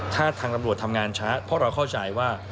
ถ้าทางตำรวจทำงานช้าเพราะเราเข้าใจว่า